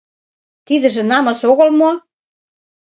Тидыже намыс огыл мо?